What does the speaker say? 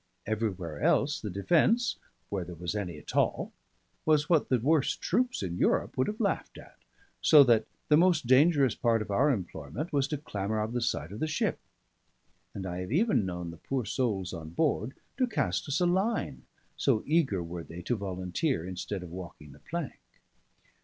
Everywhere else the defence (where there was any at all) was what the worst troops in Europe would have laughed at; so that the most dangerous part of our employment was to clamber up the side of the ship: and I have even known the poor souls on board to cast us a line, so eager were they to volunteer instead of walking the plank.